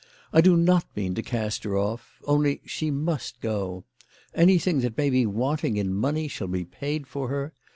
I do not mean to cast her off; only she must go. Anything that may be wanting in money shall be paid for her.